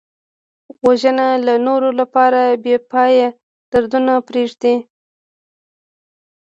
وژنه د نورو لپاره بېپایه دردونه پرېږدي